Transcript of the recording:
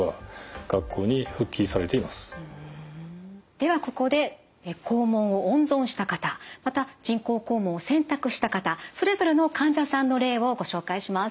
ではここで肛門を温存した方また人工肛門を選択した方それぞれの患者さんの例をご紹介します。